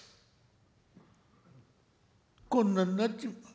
こんなになっちまって」。